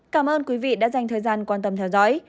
cảm ơn quý vị đã dành thời gian quan tâm theo dõi